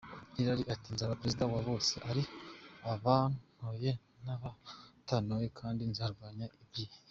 Hilary ati nzaba Perezida wa bose, ari abantoye n’abatantoye kandi nzarwanya ibyihebe.